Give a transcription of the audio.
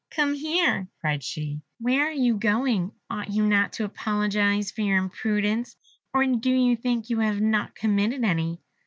"Come here," cried she, "where are you going? Ought you not to apologize for your imprudence, or do you think you have not committed any?"